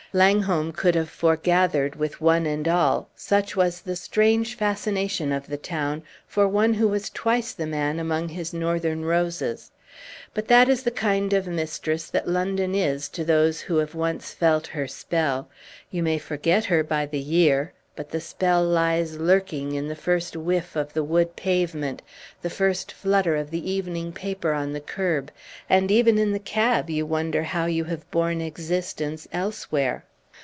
Langholm could have foregathered with one and all, such was the strange fascination of the town for one who was twice the man among his northern roses. But that is the kind of mistress that London is to those who have once felt her spell; you may forget her by the year, but the spell lies lurking in the first whiff of the wood pavement, the first flutter of the evening paper on the curb; and even in the cab you wonder how you have borne existence elsewhere.